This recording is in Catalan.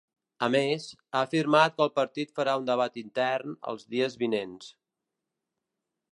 A més, ha afirmat que el partit farà un debat intern els dies vinents.